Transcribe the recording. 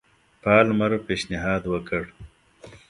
پالمر پېشنهاد وکړ.